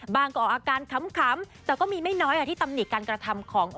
ก็ออกอาการขำแต่ก็มีไม่น้อยที่ตำหนิการกระทำของ